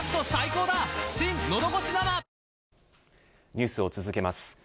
ニュースを続けます。